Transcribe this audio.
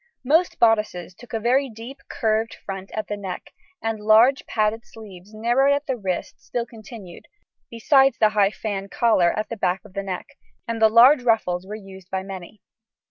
Most bodices took a very deep curved front at the neck, and large padded sleeves narrowed at the wrist still continued, besides the high fan collar at the back of the neck, and large ruffs were used by many.